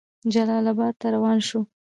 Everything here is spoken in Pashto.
جلال آباد ته روان شو.